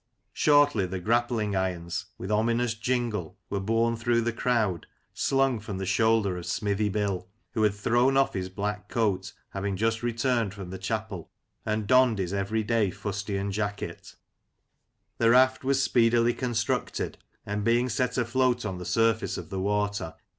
Shortly the grappling irons, with ominous jingle, were borne through the crowd, slung from the shoulder of Smithy Bill, who had thrown off his black coat, having just returned from chapel, and donned his every day fustian jacket The raft was speedily constructed, and being set afloat on the surface of the water.